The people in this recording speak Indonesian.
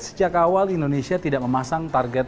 sejak awal indonesia tidak memasang target